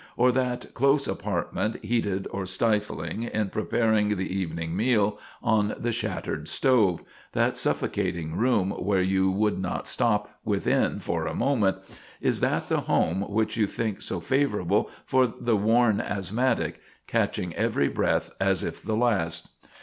Or that close apartment, heated or stifling in preparing the evening meal, on the shattered stove that suffocating room, where you would not stop within for a moment is that the home which you think so favorable for the worn asthmatic, catching every breath as if the last?